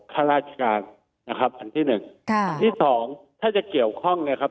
ข้าราชการนะครับอันที่หนึ่งค่ะอันที่สองถ้าจะเกี่ยวข้องเนี่ยครับ